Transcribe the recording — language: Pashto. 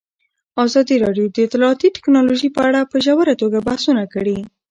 ازادي راډیو د اطلاعاتی تکنالوژي په اړه په ژوره توګه بحثونه کړي.